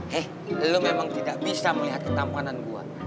he lo memang tidak bisa melihat ketampanan gue